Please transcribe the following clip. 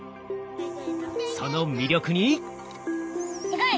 その魅力に。